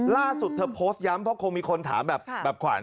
ล่าสุดเธอโพสต์ย้ำเพราะคงมีคนถามแบบขวาน